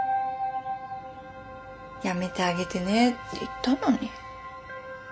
やめてあげてねって言ったのに。